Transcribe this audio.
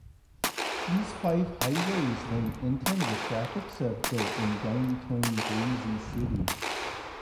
These five highways then enter the traffic circle in downtown Boise City.